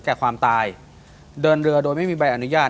แก่ความตายเดินเรือโดยไม่มีใบอนุญาต